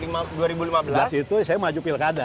di situ saya maju pilkada